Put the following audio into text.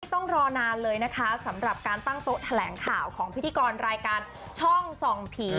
ต้องรอนานเลยนะคะสำหรับการตั้งโต๊ะแถลงข่าวของพิธีกรรายการช่องส่องผี